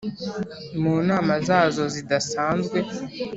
Mu nama zazo zidasanzwe